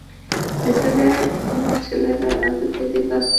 ভিতরে আমার ছেলেরা আগে থেকেই কাজ করছে।